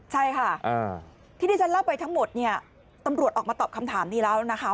ใช่ค่ะที่ดิฉันรับเป็นทั้งหมดตำรวจออกมาตอบคำถามนี้แล้วนะคะ